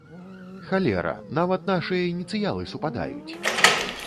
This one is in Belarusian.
Халера, нават нашыя ініцыялы супадаюць!